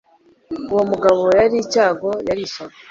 Uwo mugabo yari icyago, yari ishyano,